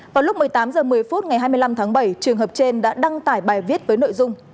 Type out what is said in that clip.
vào lúc một mươi tám h một mươi phút ngày hai mươi năm tháng bảy trường hợp trên đã đăng tải bài viết với nội dung